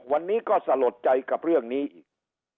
วันนี้ก็สลดใจกับเรื่องนี้อีก